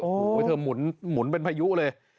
โอ้โหเธอหมุนเป็นพายุเลย